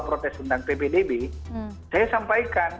protes tentang ppdb saya sampaikan